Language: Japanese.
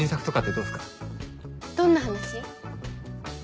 どんな話？